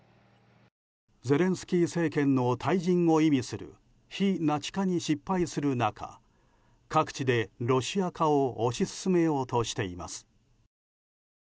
ゼレンスキー政権の退陣を意味する非ナチ化に失敗する中各地でロシア化を推し進めようとしています。